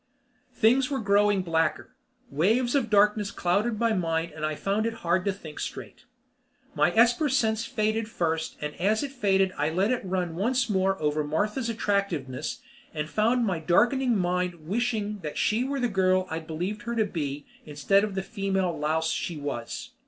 Things were growing blacker. Waves of darkness clouded my mind and I found it hard to think straight. My esper sense faded first and as it faded I let it run once more over Martha's attractiveness and found my darkening mind wishing that she were the girl I'd believed her to be instead of the female louse she was.